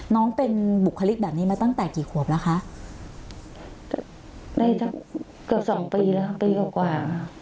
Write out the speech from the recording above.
น้องเป็นบุคลิกแบบนี้มาตั้งแต่กี่ขวบแล้วคะได้ตั้งเกือบสองปีแล้วครับปีกว่ากว่า